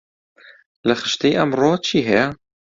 لە خشتەی ئەمڕۆ چی هەیە؟